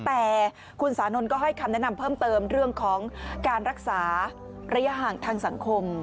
แต่คุณสานนท์ก็ให้คำแนะนำเพิ่มเติมเรื่องของการรักษาระยะห่างทางสังคม